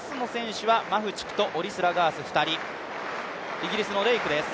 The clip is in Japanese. イギリスのレイクです。